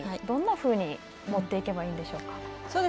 どんなふうに持っていけばいいでしょうか。